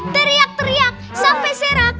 teriak teriak sampai serak